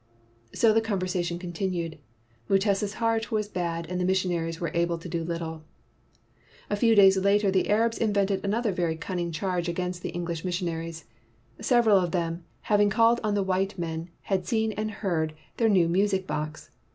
So the conversation continued. Mutesa 's heart was bad and the missionaries were able to do little. A few days later the Arabs invented another very cunning charge against the 148 MUTESA AND MOHAMMEDANS English missionaries. Several of them, having called on the white men, had seen and heard their new mnsic box.